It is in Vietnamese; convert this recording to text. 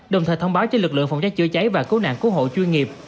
đồng thời thông báo cho lực lượng phòng cháy chữa cháy và cứu nạn cứu hộ chuyên nghiệp